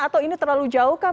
atau ini terlalu jauh kah